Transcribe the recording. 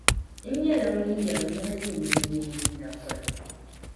N nyɛla ŋun yɛn ŋmahi yi nuhi mini yi napɔna.